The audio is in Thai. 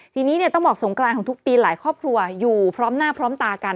ทีนี้ต้องบอกสงกรานของทุกปีหลายครอบครัวอยู่พร้อมหน้าพร้อมตากัน